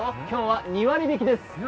今日は２割引きです。